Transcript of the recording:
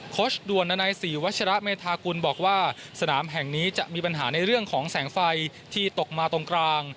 ด่วนนานัยศรีวัชระเมธากุลบอกว่าสนามแห่งนี้จะมีปัญหาในเรื่องของแสงไฟที่ตกมาตรงกลาง